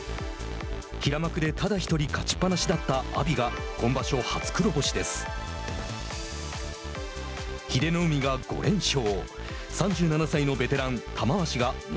平幕でただ１人勝ちっぱなしだった阿炎が今場所、初黒星です。